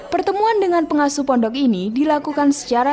pertemuan dengan pengasuh pondok ini dilakukan secara